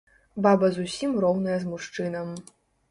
Баба зусім роўная з мужчынам.